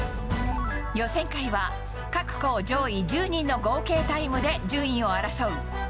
予選会は、各校上位１０人の合計タイムで順位を争う。